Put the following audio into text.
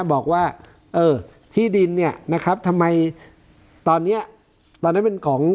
บอกว่าเออที่ดินเนี่ยนะครับทำไมตอนเนี้ยตอนนั้นเป็นของ